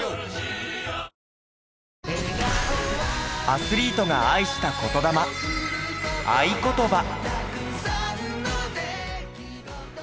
アスリートが愛した言魂『愛ことば』。